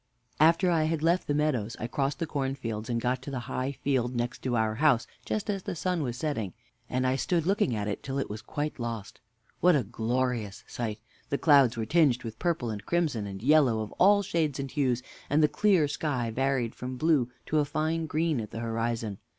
W. After I had left the meadows, I crossed the cornfields and got to the high field next our house just as the sun was setting, and I stood looking at it till it was quite lost. What a glorious sight! The clouds were tinged with purple and crimson and yellow of all shades and hues, and the clear sky varied from blue to a fine green at the horizon.